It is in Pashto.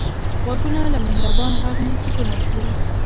غوږونه له مهربان غږ نه سکون اخلي